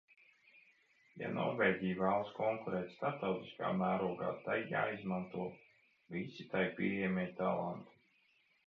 Ja Norvēģija vēlas konkurēt starptautiskā mērogā, tai jāizmanto visi tai pieejamie talanti.